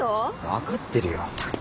分かってるよ。